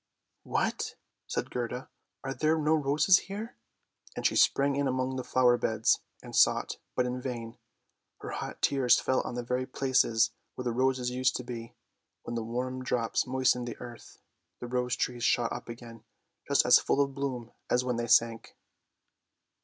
" What! " said Gerda, " are there no roses here? " and she sprang in among the flower beds and sought, but in vain ! Her hot tears fell on the very places where the roses used to be; when the warm drops moistened the earth, the rose trees shot up again just as full of bloom as when they sank.